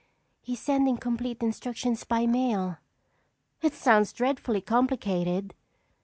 He's sending complete instructions by mail." "It sounds dreadfully complicated."